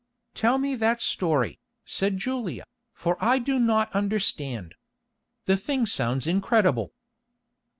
"Tell me that story," said Julia, "for I do not understand. The thing sounds incredible."